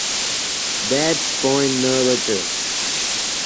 That's point number two.